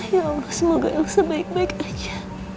ya allah semoga elsa baik baik aja